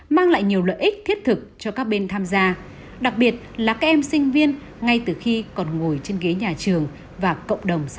mang lại nhiều lợi ích thiết thực cho các bên tham gia đặc biệt là các em sinh viên ngay từ khi còn ngồi trên ghế nhà trường và cộng đồng xã hội